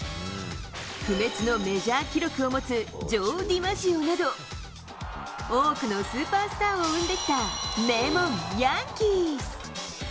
不滅のメジャー記録を持つジョー・ディマジオなど、多くのスーパースターを生んできた名門、ヤンキース。